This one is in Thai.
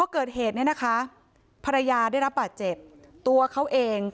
เกิดเหตุเนี่ยนะคะภรรยาได้รับบาดเจ็บตัวเขาเอง